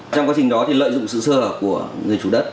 trong quá trình đó thì lợi dụng sự sơ hở của người chủ đất